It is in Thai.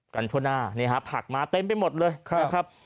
กันชั่วหน้าเนี่ยฮะผักมาเต็มไปหมดเลยครับ